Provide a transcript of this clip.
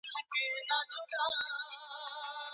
ایا کورني سوداګر ممیز صادروي؟